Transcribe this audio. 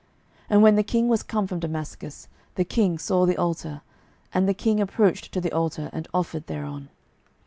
12:016:012 And when the king was come from Damascus, the king saw the altar: and the king approached to the altar, and offered thereon.